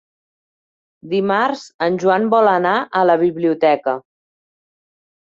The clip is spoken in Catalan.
Dimarts en Joan vol anar a la biblioteca.